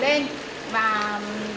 và trên mặt bánh